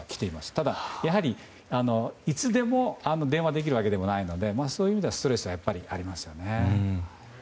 ただ、やはりいつでも電話できるわけでもないのでそういう意味ではストレスはやっぱりありますよね。